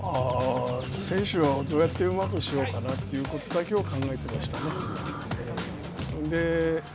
選手をどうやってうまくしようかなということだけを考えていましたね。